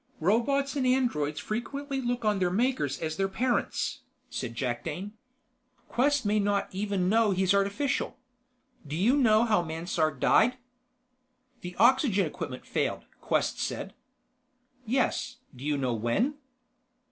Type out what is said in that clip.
"Robots and androids frequently look on their makers as their parents," said Jakdane. "Quest may not even know he's artificial. Do you know how Mansard died?" "The oxygen equipment failed, Quest said." "Yes. Do you know when?"